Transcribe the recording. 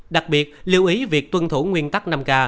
đặc biệt lưu ý việc tuân thủ nguyên tắc năm k